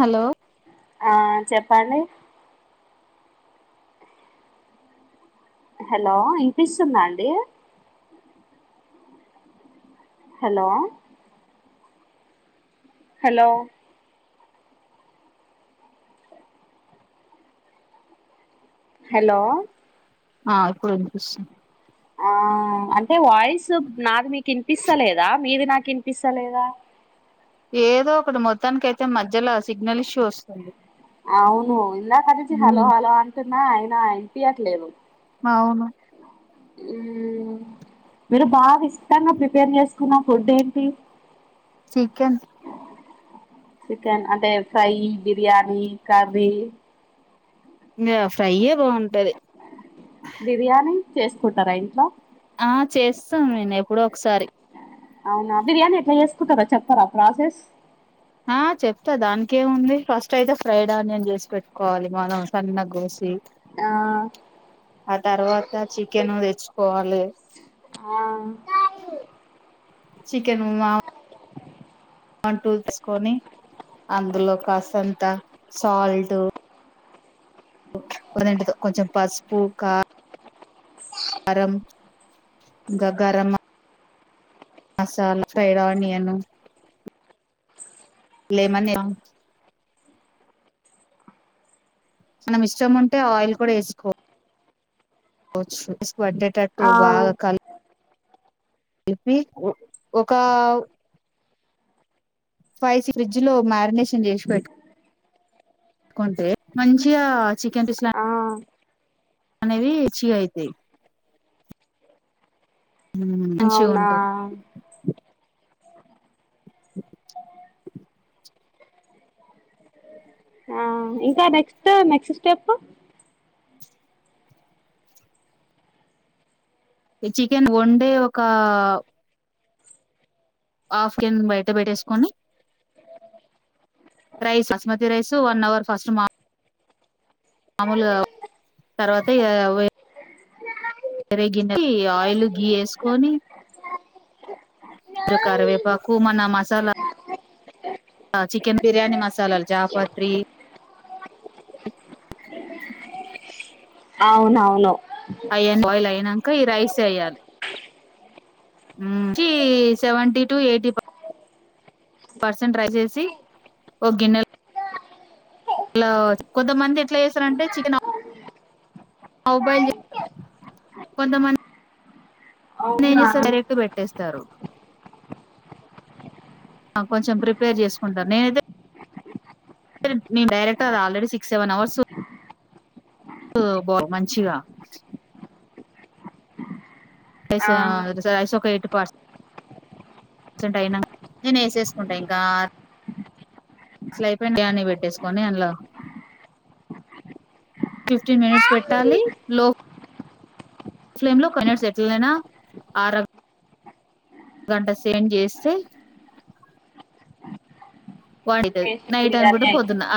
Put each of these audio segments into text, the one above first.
Hello ఆ చెప్పండి hello ఇనిపిస్తుందా అండి హలో హలో హలో ఆ ఇప్పుడు వినిపిస్తుంది ఆ అంటే వాయిస్ నాకు మీకి ఇనిపిస్తలేదా మీది నాకు వినిపిస్తా లేదా ఏదో ఒకటి మొత్తానికి అయితే మధ్యల సిగ్నల్ ఇష్యూ వస్తుంది అవును ఇందాకనుంచి ఉమ్ హలో హలో అంటున్నా ఆయన ఇనిపియ్యట్లేదు అవును మ్మ్. మీరు బాగా ఇష్టంగా ప్రిపేర్ చేసుకున్న ఫుడ్ ఏంటి చికెన్ చికెన్ అంటే ఫ్రై బిర్యానీ కర్రీ ఇంగ ఫ్రైయే బాగుంటది బిర్యానీ చేసుకుంటరా ఇంట్లో ఆ చేస్తాను నేను ఎప్పుడో ఒకసారి అవునా బిర్యానీ ఎట్లా చేసుకుతారో చెప్పారా ప్రాసెస్ ఆ చెప్తా దానినికెముంది ఫస్ట్ అయితే ఫ్రైడ్ ఆనియన్ చేసి పెట్టుకోవాలి మనం సన్న కోసి ఆ ఆ తర్వాత చికెన్ తెచ్చుకోవాలి ఆ చికెను మా ఆంటు తీసుకొని అందులో కాసంత సాల్టు కోదంట కొంచెం పసుపు కా కారం ఇంగ గరం మ మసాలా ఫ్రైడ్ ఆనియను లేమన మనం ఇష్టం ఉంటే ఆయిల్ కూడా ఎసుకో కొచ్చు ఫేస్ పండేటట్టు ఆ బాగా కల్ ఇప్పి ఒ ఒకా ఫైసీ ఫ్రిడ్జ్ లో మ్యారినేషన్ చేసి పెట్టు కుంటే మంచిగా చికెన్ డిస్లా ఆ అనేవి [unintelligible] మంచిగా అవునా ఉంటవ్ ఆ ఇంకా నెక్స్ట్ నెక్స్ట్ స్టెప్ చికెన్ ఒండే ఒక ఆఫ్ [unintelligible] బయట పెట్టేసుకొని rice basmati rice one hour first మా మామూలుగా తర్వాత వేరే గిన్నెకి ఆయిల్ గీ వేసుకొని కరివేపాకు మన మసాలా చికెన్ బిర్యానీ మసాలాలు చాపాత్రి అవునవును అయ్యా బాయిల్ అయనాక ఈ రైస్ ఎయ్యాలి [unintelligible] సెవెంటీ టు ఎయిటీ ప పర్సెంట్ ట్రై రైస్ ఏసిసి ఒక గిన్నె లొ కొంతమంది ఎట్లా చేస్తారంటే చికెన్ [unintelligible] కొంతమంది అవునా ఏంచేస్తారు డైరక్ట్ పెట్టేస్తారు కొంచెం ప్రిపేర్ చేసుకుంటారు నేనైతే నేను డైరెక్ట్ అది ఆల్రెడీ సిక్స్ సెవెన్ అవర్స్ బా మంచిగా [unintelligible] ఆ [unintelligible] నేను వేసేసుకుంటా ఇంకా అసలైపోయి డియానీ పెట్టేసుకొని అందులో ఫిఫ్టీన్ మినిట్స్ పెట్టాలి లో [unintelligible] లో [unintelligible] అయినా ఆర గంట సేండ్ చేస్తే వాడిది టేస్ట్ నైట్ బిర్యానీ అనుకుంట పొద్దున్న అయితది అ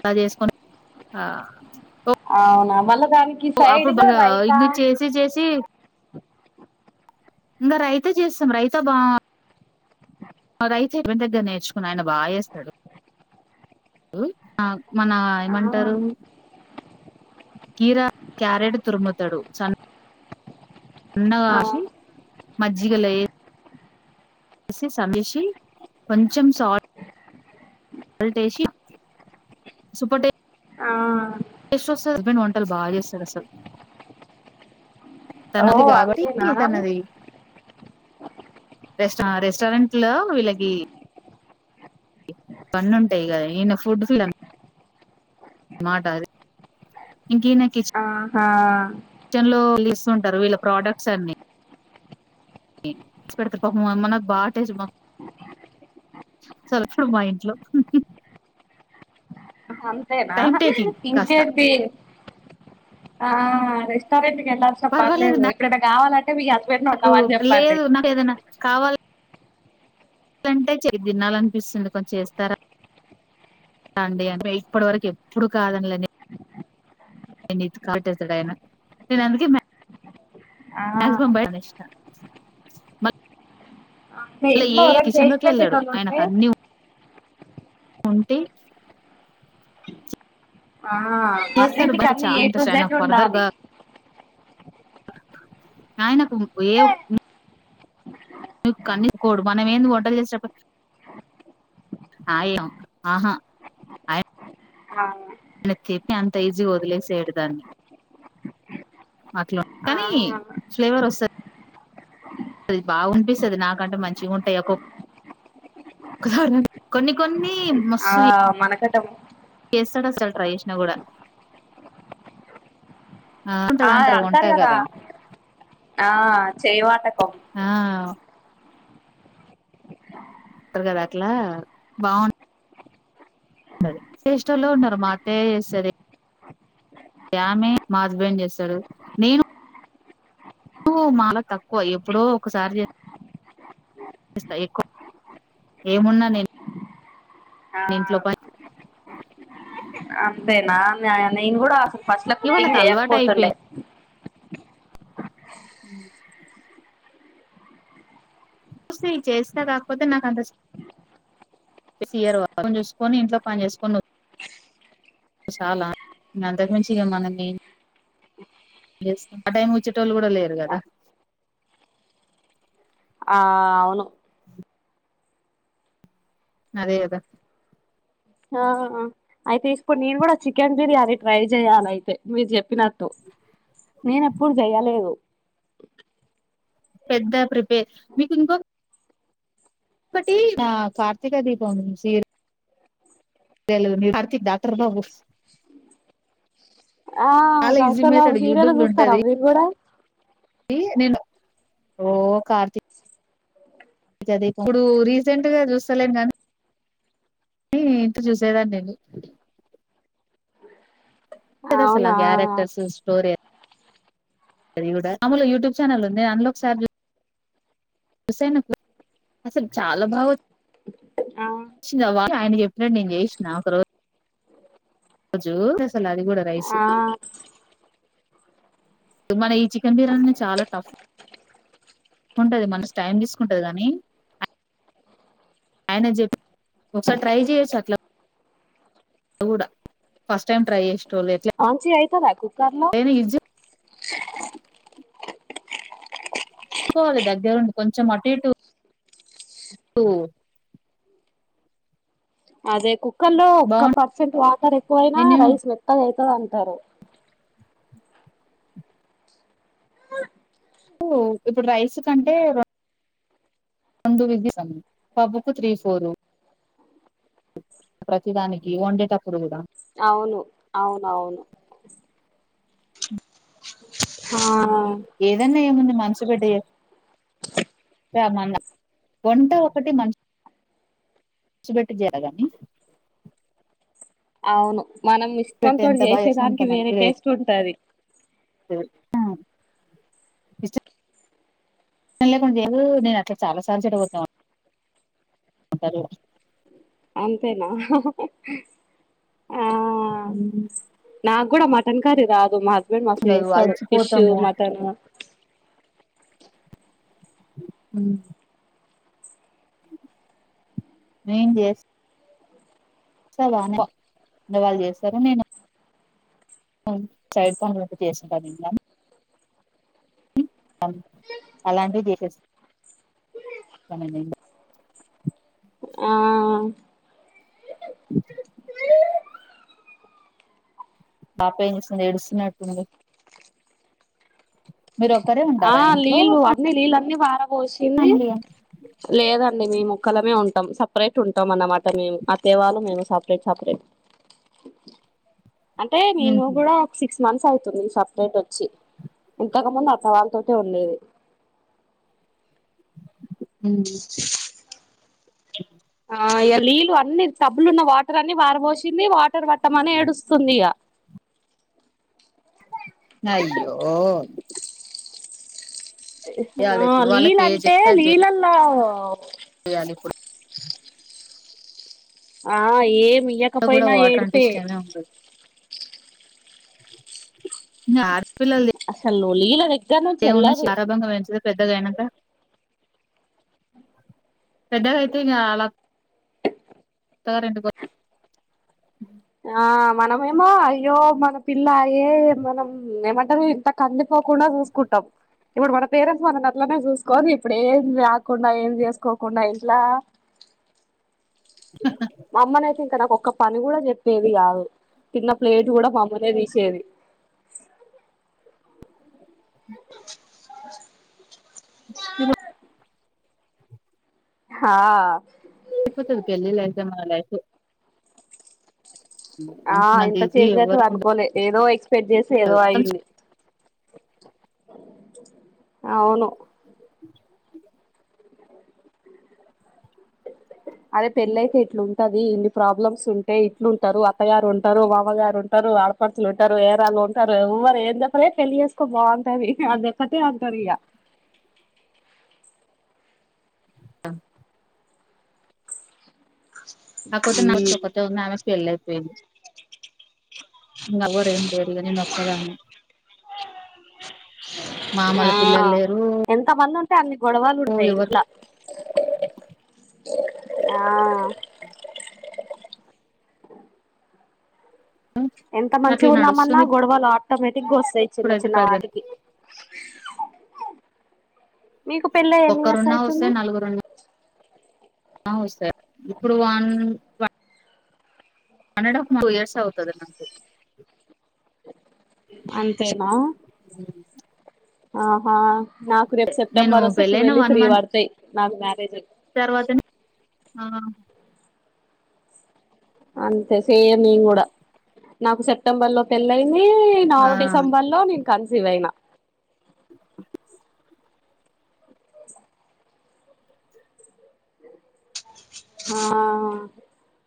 అలా చేసుకని ఆ అవునా మళ్ళ దానికి సైడ్ అప్పుడు గా రైతా [unintelligible] చేసి చేసి ఇంకా రైత చేస్తాం రైత బా [unintelligible] దగ్గర నేర్చుకుని ఆయన బాగా చేస్తాడు మన ఆ ఏమంటారు కీరా క్యారెట్ తురుముతాడు [unintelligible] ఆ అన్నగాసి మజ్జిగల [unintelligible] సర్దేసి కొంచెం సాల్ట్ టే [unintelligible] సూపర్ టే ఆ నా హస్బెండ్ వంటలు బాగ చేస్తాడు అసల్ ఓ తనది అంతేనా కాబట్టి తనది రెస్టారెంట్ లో వీళ్ళకి పన్ను ఉంటాయి కదా నేను ఫుడ్ ఫిల్ మాట ఇంకీనే ఆహా వుంటారు వీళ్ళ ప్రోడక్ట్స్ అన్ని పెడతే [unintelligible] నాకు బాగా టేస్ట్ సారి వచ్చి చూడు మా ఇంట్లో అంతేనా టైం టేకింగ్ కాస్త ఇంకేంటి ఆ రెస్టారెంట్ ఎళా చెప్పాలి పర్వాలేదు నేను. ఎప్పుడన్నా కావాలంటే మీ హస్బెండ్ నాకు ఉండమని చెప్పండి. లేదు నాకు ఇది తినాలనిపిస్తుంది కొం చేస్తారా అండి అంటే ఇప్పటి వరకు ఎప్పుడు కాదనలేదు నే [unintelligible] ఆయనా నేను అందుకే మ్యా ఆ మ్యాక్సిమమ్ బయట తెచ్చినా మ ఇంట్లో ఎవరైనా చేసి వెళ్ళాడు పెట్టెటోళ్ళు ఉంటే. ఆయనకు అన్ని ఉంటే ఆ చేస్తరు అన్నింటికి బయట అన్ని చాన ఏ టు జెడ్ ఉండాలి ఇంట్రెస్ట్. ఆయనకు ఏ కనీక్కోడు మనం ఏంది వంటలు చేసేటప్పుడు ఆయో ఆహా అయి ఆ ఆయన చట్నీ అంత ఈజీగా వదిలేసయడు దాన్ని. అట్లా ఆ కానీ ఫ్లేవర్ వస్తది. అది బాగుఅనిసిస్తది నాకంటే మంచిగా ఉంటయి ఒక్కొ ఒక్కసారా కొన్ని కొన్ని ఆ మనకట్టం. కేసడసెల్ ట్రై చేశిన కూడ. ఆ [inaudible] అంటారు కదా వంటగదా ఆ చేయవాట ఆ ఉంటరు కదా అట్లా బావుం టది చేశేటోల్లు ఎవరు ఉన్నరు మా అత్తయ్యే చేస్తది. ఆమే, మా హస్బెండ్ చేస్తడు. నేను [inaudible] లా తక్కువ ఎప్పుడో ఒకసారి చే పిస్తా ఎక్కువ ఏమున్నా నేను ఆ ఇంట్లో పని అంతేనా ఆ నేను కూడా అసలు ఫస్ట్ల ఇగ కుకింగ్ వాళ్ళకి అలవాటు అయిపోయింది చేయకపోతుండే. [inaudible] చూసి చేస్తా కాక్పోతే నాకు అంతా పెస్సియరు [inaudible] చూసుకొని ఇంట్లో పని చేసుకోని వ సాలా ఇగ అంతకు మించి ఇగ మనం ఎం చేస్తాం ఆ టైం వచ్చేటోళ్ళు కూడా లేరు కదా. ఆ అవును అదే కదా. ఆ అయి తీసుకుని నేను కూడా చికెన్ బిర్యానీ ట్రై చెయ్యాలయితే. మీరు చెప్పిన ట్టు నేను ఎప్పుడు చేయలేదు. పెద్ద ప్రిపేర్ మీకు ఇంకో ఒకటి ఆ కార్తీక దీపం సీరీ యలు కార్తీక్ డాక్టర్ బాబు. అవు చాలా easy doctor Babu method serial చూస్తరా మీరు కూడా. ఇ నేను ఓ కార్తి దీపం ఇప్పుడు రీసెంట్ గా చూస్తలేం కానీ. నీ ఇంత చూసేదాన్ని నేను. అసల అవునా క్యారెక్టర్స్ స్టోరి ఆ అది కూడా మాములుగా యూట్యూబ్ ఛానల్ ఉంది అందులో ఒక సారి చూసాను అసలు చాలా బాగా వ చ్ ఆయన చెప్పినట్డు నేను చేయిసిన ఒకరోజు ఒక రోజు అసల్ అది కూడ రైస్ ఆ మన ఈ చికెన్ బిర్యానీ చాలా టఫ్ ఉంటది మన టైం తీసుకుంటది కాని అయనే చెప్ ఒక సారి ట్రై జయేచ్చ అట్లా అట్ల కూడ ఫస్ట్ టైమ్ ట్రై చేసా ఆంచి అయితదా కుక్కర్ లో ఇది చూసూకోవాలి దగ్గరుండి కొంచెం అటు ఇటు టు అదే కుక్కర్ లో ఒక్క బాగుం పర్సెంట్ వాటర్ ఎక్కువ అయినా నేను రైస్ మెత్తగా అయితది అంటారు ఇప్పుడు రైస్ కంటే అందు విదిదం పబ్బుకు త్రీ ఫోరు ప్రతిదానికి వండేటప్పుడు కూడ అవును అవునవును ఆ ఏదన్నా ఏముంది మనసు పెట్టి రమన్నా వంట ఒకటి మంచి మనసు పెట్టి చేయ గాని అవును మనం పెట్టి ఇష్టంతో ఎంత బాగా చేస్తే అంత చేసేదానికి వేరే టేస్ట్ ఉంటది అ ఇష్టం అ ఇష్టం లేకుండా లేదు నేను అట్ల చాలా సార్లు చెడగొట్టిన అంటారు అంతేనా ఆ ఉమ్ నాకు కూడ మటన్ కర్రీ రాదు మా హస్బెండ్ మస్త్ ఉండదు చేస్తడు ఫిష్ అలసిపోతాము మటన్ మ్ నేన్ చేస్ వానే వాళ్లు చేస్తారు నేను సైడ్ పనులు ఉంటే చేసుకుంటా అలాంటివి చేసేస్తా ఆ పాప ఏం చేస్తుంది ఎడుస్తున్నట్టుంది మీరు ఒకరే ఉంటరా ఇంట్లో పోసింది ఫ్యామిలీ లేదండి మీమోక్కలమే ఉంట సపరేట్ ఉంటం అన్నమాట మేము అత్తయ్య వాళ్లు మేము సపరేట్ సపరేట్ అంటే మేము కూడ సిక్స్ మంత్స్ అవుతుంది సపరేట్ వచ్చి ఇంతకు ముందు అత్తమ వాళ్ళ తొటే ఉండేది మ్ ఆ ఇ నీళ్ళ అన్ని టబ్బులున్న వాటర్ అన్ని పార పోసింది వాటర్ పట్టమని ఏడుస్తుంది ఇక అయ్యో చేయాలి ఆ ఇప్పుడు లీల వాళ్ళకి ఏ అంటే చెప్తే అది లీలల్లో చేయాలి ఇప్పుడు ఆ కూడా ఏమియ్యకపోయినా వాటర్ అంటే ఏడిపే ఇష్టమే ఉండదు నార్ అసలు లీలలె ఏమున్నా శి గారాబంగా పెంచుతే పెద్దగైనంక పెద్దగైతే ఇంగ అలక్ త రెండు కో ఆ మనమేమో అయ్యో మన పిల్లాయే మనం ఏమంటరు ఇంత కందిపొప్ కూడా కూసుకుంటం ఇప్పుడు మన పేరెంట్స్ మనల్ని అట్లనే చూసుకోనీ ఇప్పుడు ఏం రాకుండా ఏం చేసుకోకుండా ఇంట్లా అ మా అమ్మనైతే ఇంకా నాకొక్క పని కూడా చెప్పేది కాదు తిన్న ప్లేట్ గుడ మా అమ్మనే తీసేది ఇ హా ఐపోతది పెళ్లి అయితే మన లైఫు ఆ ఇంత ఈజీ చేంజ్ అసలు ఎవరికి ఉండదు అనుకోలే, ఏదో ఎక్స్పెక్ట్ చేస్తే, ఏదో అయింది. అవును అదే పెళ్లయితే ఇట్లుంటది, ఇన్ని ప్రాబ్లమ్స్ ఉంటయ్ ఇట్లుంటరు, అత్తగారు ఉంటరు, మామగారు ఉంటరు. ఆడపడుచులు ఉంటరు, ఏరాళ్ళు ఉంటరు, ఎవ్వరు ఏం చెప్పలే పెళ్ళలి చేసుకో బాగుంటది అదొక్కటే అంటరు ఇగ ఆ కాకపోతే నా చొకతే ఉంది, ఆమెకి పెళ్లైపోయింది. నగోరెం చేయరిగా నేనొక్కదాన్నే ఆ ఎంత మంది ఉంటే అన్ని గొడవలు ఓ ఉంటయి ఎవరు ఇంట్ల ఆ ఎంత మంచిగ అట్లా ఉందామన్నా నడుస్తుంది గొడవలు ఆటోమేటిక్గా వస్తయి చిన్న ఇప్పుడైతే చిన్న ప్రజెంట్ వాటికి మీకు పెళ్లై ఎన్ని ఇయర్స్ ఒక్కరున్నా ఐతుంది? అవు సార్ ఇప్పుడు వాన్ వ వన్ అన్ అండ్ హఫ్ టూ ఇయర్స్ అవుతది నాకు అంతేనా ఉమ్ ఆహా నాకు రేపు నేను సెప్టెంబర్ వస్తే టు వెళ్ళి త్రీ పడతయి నాకు మ్యారేజ్. తర్వాత ఆ అంతే సేమ్ నేను గుడ నాకు సెప్టెంబర్ లో పెళ్ళయి నీ ఆ నాగు డిసెంబర్ ల నేను కన్సీవ్ అయినా చూస ఆ